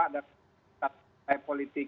dan partai politik